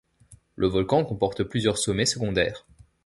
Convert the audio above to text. Le volcan comporte plusieurs sommets secondaires.